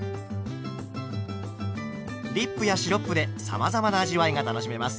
ディップやシロップでさまざまな味わいが楽しめます。